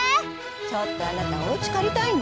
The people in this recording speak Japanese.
ちょっとあなたおうちかりたいの？